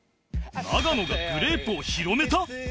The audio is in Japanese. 永野がグレープを広めた？